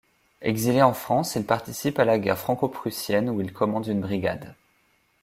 Exilé en France, il participe à la guerre franco-prussienne où il commande une brigade.